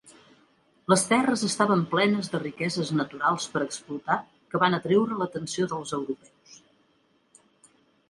Les terres estaven plenes de riqueses naturals per explotar que van atreure l'atenció dels europeus.